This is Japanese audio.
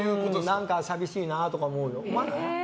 何か寂しいなとか思うよ。